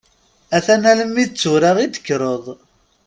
A-t-an alammi d tura i d-tekkreḍ.